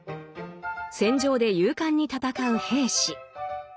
戦場で勇敢に戦う兵士。